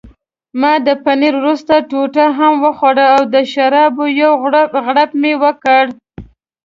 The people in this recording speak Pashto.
ما د پنیر وروستۍ ټوټه هم وخوړه او د شرابو یو غوړپ مې وکړ.